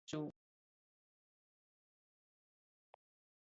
Nso folō anèn, kobsèna a dheresèn bi sansan a tsok.